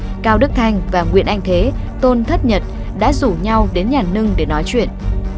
bao gồm cao đức thanh và nguyễn anh thế tôn thất nhật đã rủ nhau đến nhà nưng để nói chuyện